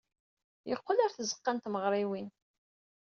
Yeqqel ɣer tzeɣɣa n tmeɣriwin.